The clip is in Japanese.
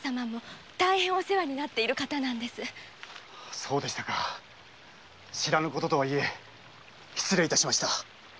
そうでしたか知らぬ事とは言え失礼致しました。